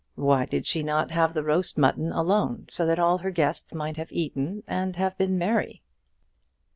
Why did she not have the roast mutton alone, so that all her guests might have eaten and have been merry?